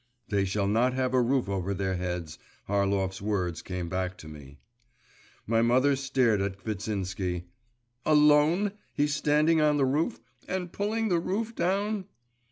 ('They shall not have a roof over their heads.' Harlov's words came back to me.) My mother stared at Kvitsinsky. 'Alone … he's standing on the roof, and pulling the roof down?